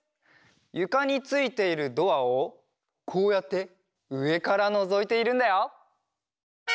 ゆかについているドアをこうやってうえからのぞいているんだよ。